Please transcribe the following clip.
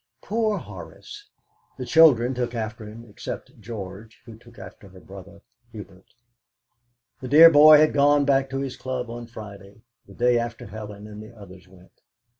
Poor Horace! The children took after him, except George, who took after her brother Hubert. The dear boy had gone back to his club on Friday the day after Helen and the others went.